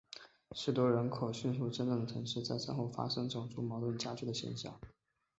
许多人口迅速增长的城市在战后发生了种族矛盾加剧的现象。